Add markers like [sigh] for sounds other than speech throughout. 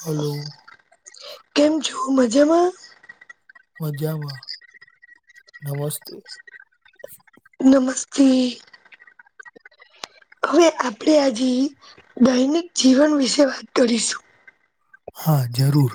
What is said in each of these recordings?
Hello. કેમ છો મજામાં? મજામાં, નમસ્તે. નમસ્તી હવે, આપણે આજે દૈનિક જીવન, વિશે વાત કરીશું હા, જરૂર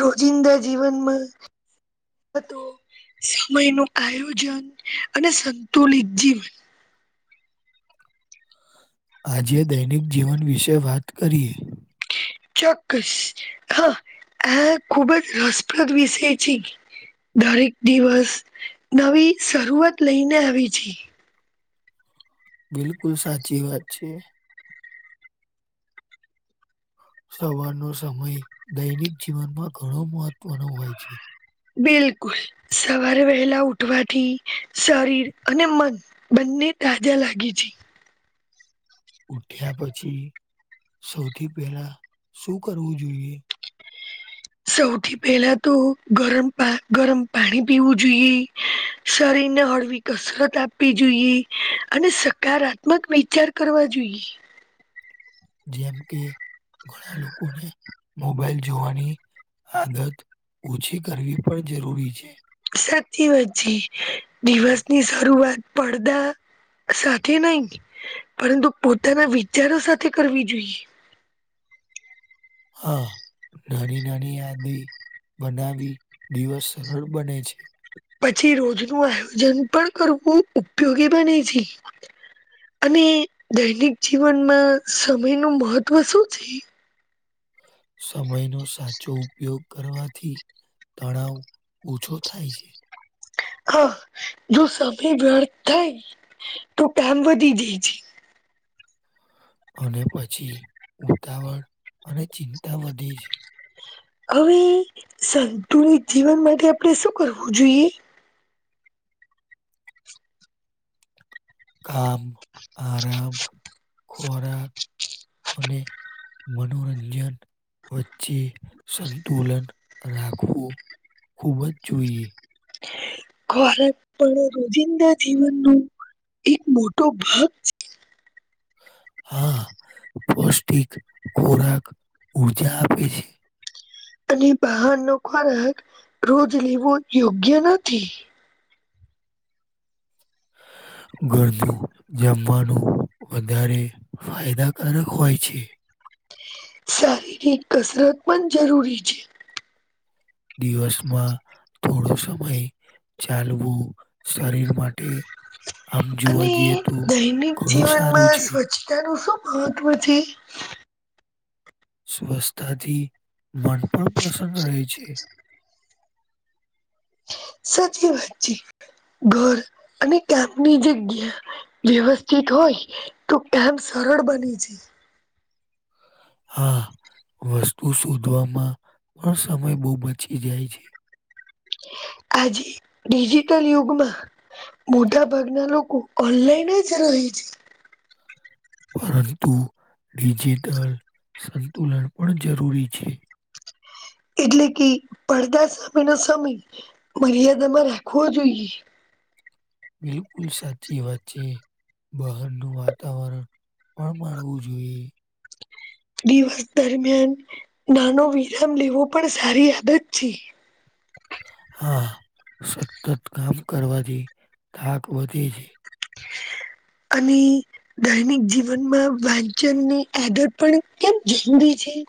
રોજિંદા જીવનમાં સમય નું આયોજન, અને સંતુલિત જીવન આજે દૈનિક જીવન, વિશે વાત કરીએ ચોક્કસ હા, આ ખુબજ રસપ્રદ વિષય છે. દરેક દિવસ નવી, શરૂઆત લઈને આવે છે. બિલકુલ સાચી વાત છે. સવારનો સમય દૈનિક જીવનમાં ઘણો મહત્વનો, હોય છે. બિલકુલ, સવારે વહેલા ઉઠવાથી શરીર અને મન બંન ને તાજા લાગે છે. ઉઠ્યા પછી સૌથી પેલા શું કરવું જોઈએ. સૌથી પહેલા તો ગરમ પા ગરમ પાણી પીવું જોઈએ. શરીને હળવી કસરત આપવી જોઈએ અને સકારાત્મક વિચાર કરવા જોઈએ. [inaudible] જેમ કે ઘણા લોકોને મોબાઈલ જોવાની આદત ઓછી કરવી પણ જરૂરી છે. સાચી વાચી દિવસની શરૂઆત પડદા સાથે નહી પરંતુ પોતાના વિચારો સાથે કરવી જોઈએ. [inaudible] હા નાની નાની યાદી બનાવી દિવસ સરળ બને છે. પછી રોજ નું આયોજન પણ કરવું ઉપયોગી બને છે. અને દૈનિક જીવનમાં સમય નું મહત્વ શું છે? સમયનો સાચો ઉપયોગ. કરવાથી તણાવ ઓછો થાય છે. હા જો સમય જડ થાય તો કામ વધી જાય છે. [inaudible] અને પછી ઉતાવળ અને ચિંતા વધે છે. હવે સંતુલિત જીવન માટે આપણે શું કરવું જોઈએ. કામ આરામ ખોરાક અને મનોરંજન વચ્ચે સંતુલન રાખવું. ખૂબ જ જોઈએ. ખોરાક પણ રોજિંદા જીવનનું એક મોટો ભાગ છે. હા, પૌષ્ટિક ખોરાક ઉર્જા આપે છે. અને બહારનો ખોરાક રોજ લેવો યોગ્ય નથી. [inaudible] ઘરનું જમવાનું વધારે ફાયદાકારક હોય છે. શારીરિક કસરત પણ જરૂરી છે. દિવસમાં થોડો સમય ચાલવું શરીર માટે આમ અને જોવા જઈએ તો દૈનિક ઘણું સારું જીવનમાં છે. સ્વચ્છતાનું શું [unintelligible] સ્વરછતા થી મન પણ પ્રસન્ન રહે છે. [inaudible] સાચી વાત છે ઘર અને કામની જગ્યા વ્યવસ્થિત હો હોય તો કામ સરળ બની છે. હા. વસ્તુ શોધવામાં પણ સમય બહુ બચી જાય છે. આજે ડિજિટલ યુગમાં મોટા ભાગના લોકો ઓનલાઈન જ છે. પરંતુ ડિજિટલ સંતુલન પણ જરૂરી છે. એટલે કે પડદા સામેનો સમય મર્યાદામાં રાખવો જોઈએ. બિલકુલ સાચી વાત છે. બહારનું વાતાવરણ પણ માણવું જોઈએ. દિવસ દરમિયાન નાનો વિરામ લેવો પણ સારી આદત છે હા સતત કામ કરવાથી થાક વધે છે અને દૈનિક જીવનમાં વાંચનની આદત પણ કેમ જરૂરી છે [inaudible]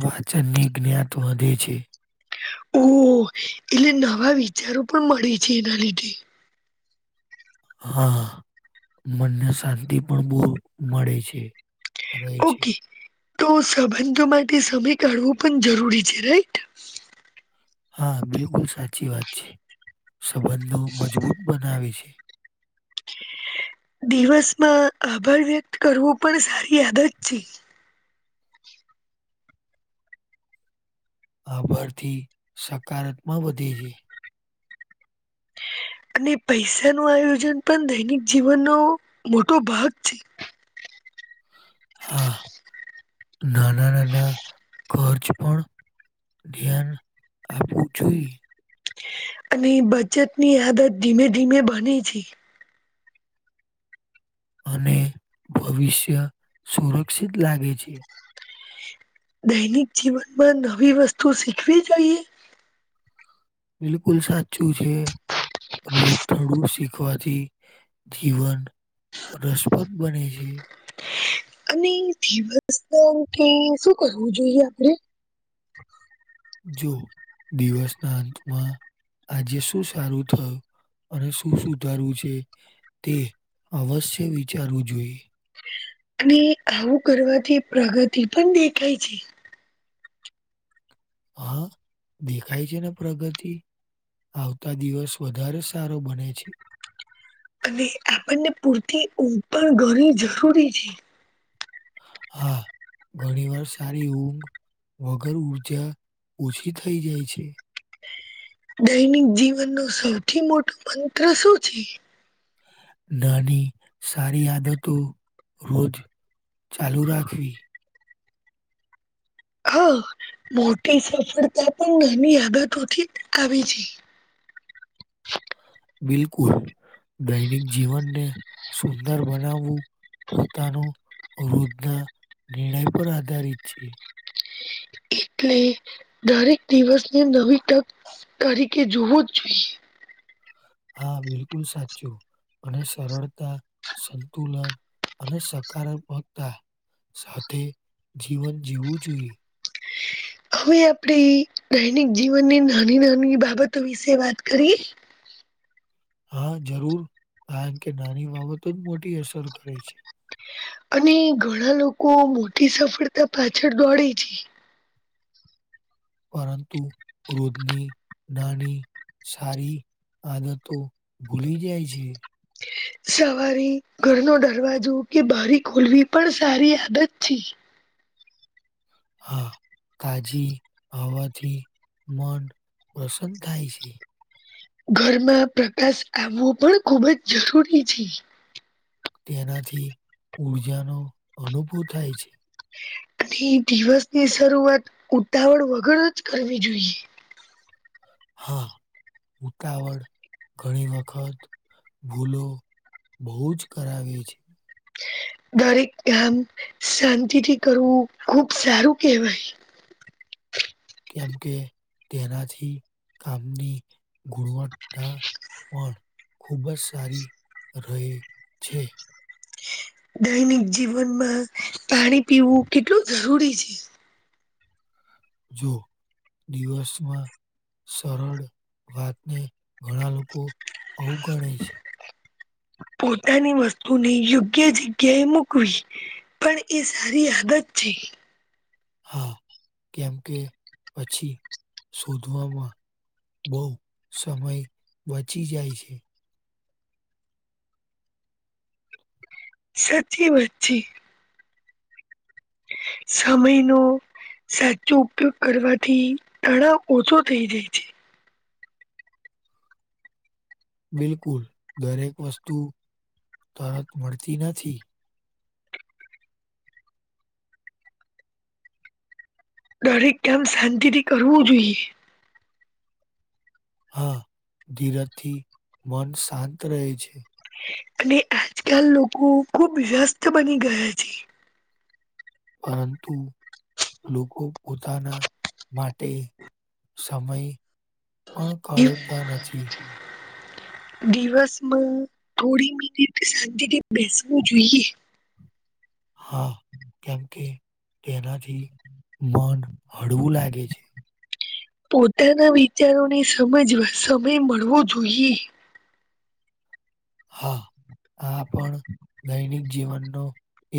વાચનની જ્ઞાત વધે છે. ઓ એટલે નવા વિચારો પણ મળે છે એના લીધે. હા મનને શાંતિ પણ બો મળે છે. [unintelligible] છે. ઓકે તો સંબંધો માટે સમય કાઢવું પણ જરૂરી છે. રાઈટ હા બિલકુલ સાચી વાત છે. સંબંધો મજબૂત બનાવે છે. [inaudible] દિવસમાં આભાર વ્યક્ત કરવું પણ સારી આદત છે. આભારથી સકારાત્મ વધે છે અને પૈસા નું આયોજન પણ દૈનિક જીવનનો મોટો ભાગ છે. હા નાના નાના કરર્ચ પણ પણ ધ્યાન આપવું જોઈએ. અને બચત ની આદત ધીમે ધીમે બને છે. અને ભવિષ્ય સુરક્ષિત લાગે છે. દૈનિક જીવનમાં નવી વસ્તુ શીખવી જોઈએ? બિલકુલ સાચું છે. રોજ થડું શીખવાથી જીવન રસપદ બને છે. અને દિવસ ના ઉઠી શું કરવું જોઈએ આપડે? જો દિવસના અંતમાં આજે શું સારું થયું અને શું સુધારવું છે તે અવશ્ય વિચારવું જોઈએ. અને આવું કરવાથી પ્રગતિ પણ દેખાય છે હા દેખાય છે ને પ્રગતિ. આવતા દિવસ વધારે સારો બને છે. અને આપણને પૂરતી ઉતણ ઘણી જરૂરી છે [inaudible] ઘણી વાર સારી ઊંઘ વગર ઊર્જા ઓછી થઈ જાય છે. દૈનિક જીવનનો સૌથી મોટો મંત્ર શું છે? નાની સારી આદતો રોજ ચાલુ રાખવી. હા, મોટી સફળતા પણ નાની આદતોથી આવી છે. [inaudible] બિલકુલ દૈનિક જીવનને સુંદર બનાવવું પોતાનો રોજના નિર્ણય પર આધારિત છે. એટલે દરેક દિવસની નવી તક તારીકે જોવો જ જોઈએ [inaudible] હા બિલકુલ સાચું અને સરળતા સંતુલન અને સકારાત્મકતા સાથે જીવન જીવવું જોઈએ હવે આપણે દૈનિક જીવનની નાની નાની બાબતો વિશે વાત કરીએ. હા જરૂર કારણ કે નાની બાબતો જ મોટી અસર કરે છે. અને ઘણા લોકો મોટી સફળતા પાછળ દોડે છે. પરંતુ ક્રોધની નાની સારી આદ તો ભૂલી જાય છે. સવારે ઘરનો દરવાજો કે બારી ખોલવી પણ સારી આદત છે. હા. તાજી હવાથી મન પ્રસન્ન થાય છે. ઘરમાં પ્રકાશ આવવો પણ ખૂબ જ જરૂરી છે. તેનાથી ઊર્જાનો અનુભવ થાય છે. અને દિવસની શરૂઆત ઉતાવળ વગર જ કરવી જોઈએ હા ઉતાવળ ઘણી વખત ભૂલો બહુ જ કરાવે છે. દરેક કામ શાંતિથી કરવું ખુબ સારું કેહેવાય કેમ કે તેનાથી કામની ગુણવત્તા પણ ખૂબ જ સારી રહે છે. દૈનિક જીવનમાં પાણી પીવું કેટલું જરૂરી છે. જો દિવસમાં સરળ વાતને ઘણા લોકો અવગણેય છે. પોતાની વસ્તુને યોગ્ય જગ્યાએ મૂકવી પણ એ સારી આદત છે. હા કેમ કે પછી શોધવામાં બહુ સમય બચી જાય છે સાચી વાત છે સમય નો સાચો ઉપયોગ કરવાથી તણાવ ઓછો થઈ જાય છે. બિલકુલ દરેક વસ્તુ તરત મળતી નથી દરેક કામ શાંતિથી કરવું જોઈએ હા ધીરજથી મન શાંત રહે છે. અને આજકાલ લોકો ખુબ વ્યસ્ત બની ગયા છે. પરંતુ લોકો પોતાના માટે સમય પણ કાળતા નથી. દિવસમાં થોડી, મિનિટ શાંતિથી બેસવું જોઈએ હા, કેમ કે તેનાથી મન હળવું લાગે છે પોતાના વિચારોને સમજવા સમય મળવો જોઈએ હા. આ પણ દૈનિક જીવનનો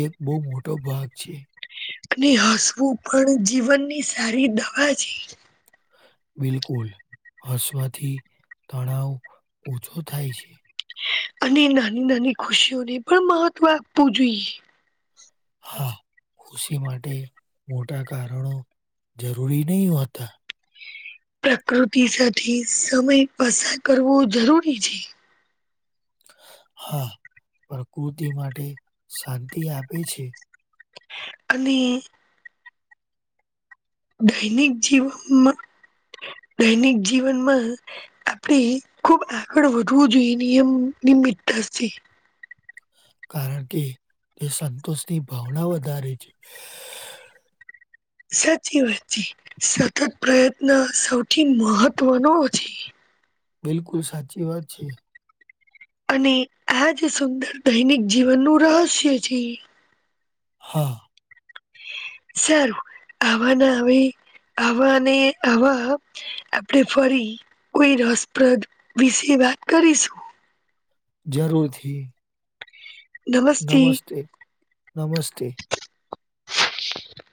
એક બહુ મોટો ભાગ છે હસવું પણ જીવનની સારી દવા છે બિલકુલ હસવાથી તણાવ ઓછો થાય છે અને નાની નાની ખુશીઓને પણ મહત્વ આપવું જોઈએ હા, ખુશી માટે મોટા કારણો જરૂરી નહીં હોતા પ્રકૃતિ સાથે સમય પસાર કરવો જરૂરી છે. હા, પ્રકૃતિ માટે શાંતિ આપે છે. [unintelligible] દૈનિક જીવનમાં દૈનિક જીવનમાં આપણે ખુબ આગળ વધવું જોઈએ, નિયમ મીઠાસ થી કારણ કે, તે સંતોષની ભાવના વધારે છે. સાચીવાત છે સતત પ્રયત્ન સૌથી મહત્વનો છે. બિલકુલ સાચી વાત છે. અને આ જ, સુંદર દૈનિક જીવનનું રહસ્ય છે. હા સારું, આવાના આવી આવાને આવા આપણે ફરી કોઈ રસપ્રદ વિશે વાત કરીશું. જરૂરથી નમસ્તે નમસ્તે